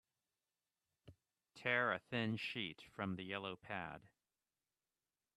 Tear a thin sheet from the yellow pad.